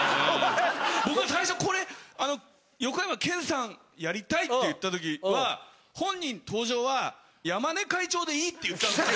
僕は最初これ「横山剣さんやりたい」って言った時は本人登場は。って言ったんですよ。